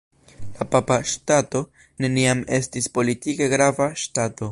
La Papa Ŝtato neniam estis politike grava ŝtato.